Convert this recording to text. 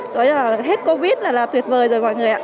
đấy là hết covid là tuyệt vời rồi mọi người ạ